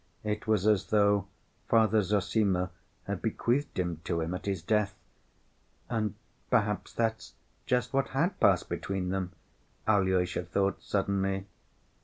It was as though Father Zossima had bequeathed him to him at his death, and "perhaps that's just what had passed between them," Alyosha thought suddenly.